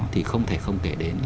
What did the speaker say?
thì không thể không kể đến